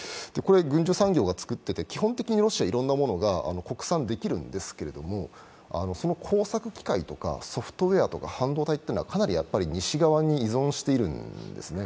軍需産業が作っていて基本的にロシアはいろんなものを国産できるんですけど、その工作機械とかソフトウエアとか半導体というのはかなり西側に依存してるんです。